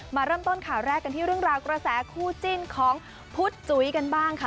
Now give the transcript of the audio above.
มาเริ่มต้นข่าวแรกกันที่เรื่องราวกระแสคู่จิ้นของพุทธจุ๋ยกันบ้างค่ะ